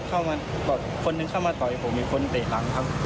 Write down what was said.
เข้ามาคนหนึ่งเข้ามาต่อยผมอีกคนเตะหลังครับ